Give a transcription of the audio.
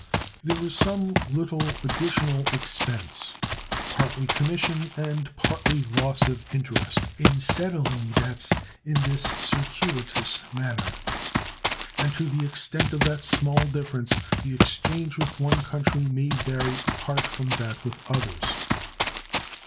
There is some little additional expense, partly commission and partly loss of interest in settling debts in this circuitous manner, and to the extent of that small difference the exchange with one country may vary apart from that with others.